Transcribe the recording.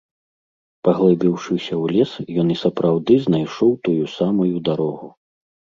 Паглыбіўшыся ў лес, ён і сапраўды знайшоў тую самую дарогу.